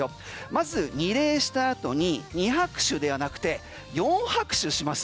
まず二礼したあとに二拍手ではなくて四拍手します。